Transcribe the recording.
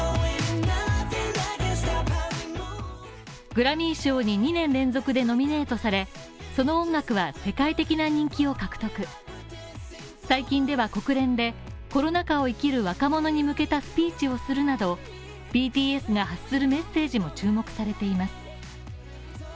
グラミー賞に２年連続でノミネートされ、その音楽は世界的な人気を獲得、最近では国連でコロナ禍を生きる若者に向けたスピーチをするなど、ＢＴＳが発するメッセージも注目されています。